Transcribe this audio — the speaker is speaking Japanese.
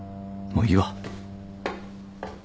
もういいわ。